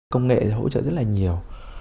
công nghệ hỗ trợ rất là nhiều